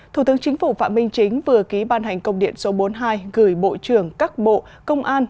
thủ tướng chính phủ phạm minh chính vừa ký ban hành công điện số bốn mươi hai gửi bộ trưởng các bộ công an